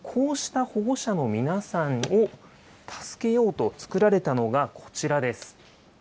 こうした保護者の皆さんを助けようと作られたのがこちらです。